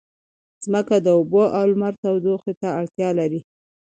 ځمکه د اوبو او لمر تودوخې ته اړتیا لري.